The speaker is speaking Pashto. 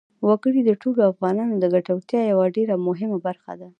وګړي د ټولو افغانانو د ګټورتیا یوه ډېره مهمه برخه ده.